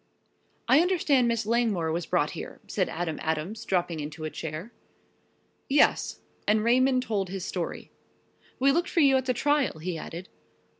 "I understand Miss Langmore was brought here," said Adam Adams, dropping into a chair. "Yes," and Raymond told his story. "We looked for you at the trial," he added.